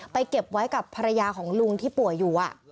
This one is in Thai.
เก็บไว้กับภรรยาของลุงที่ป่วยอยู่